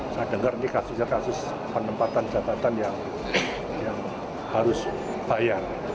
saya dengar ini kasusnya kasus penempatan jabatan yang harus bayar